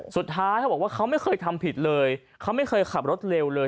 เขาบอกว่าเขาไม่เคยทำผิดเลยเขาไม่เคยขับรถเร็วเลย